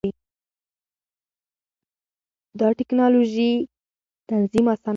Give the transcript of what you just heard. دا ټېکنالوژي تنظیم اسانه کوي.